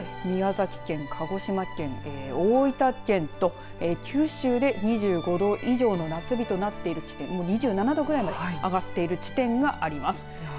宮崎、鹿児島県、大分県と九州で２５度以上の夏日となっている地点２７度くらいまで上がっている地点があります。